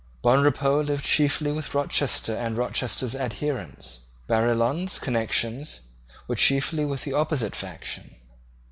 Bonrepaux lived chiefly with Rochester and Rochester's adherents. Barillon's connections were chiefly with the opposite faction.